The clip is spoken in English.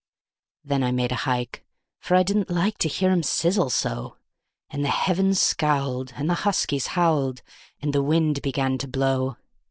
Then I made a hike, for I didn't like to hear him sizzle so; And the heavens scowled, and the huskies howled, and the wind began to blow.